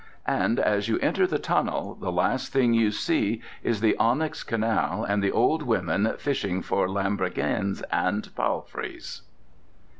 And as you enter the tunnel, the last thing you see is the onyx canal and the old women fishing for lambrequins and palfreys.